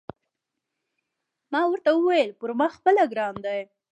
ما ورته وویل: پر ما خپله ګران دی.